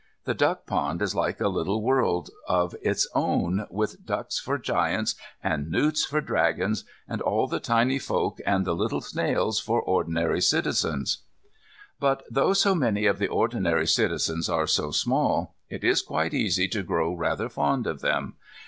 The Duck Pond is like a little world of its own with ducks for giants, and newts for dragons, and all the tiny folk and the little snails for ordinary citizens. But though so many of the ordinary citizens are so small, it is quite easy to grow rather fond of them.